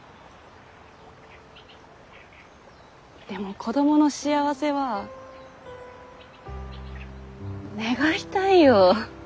でも子供の幸せは願いたいよ。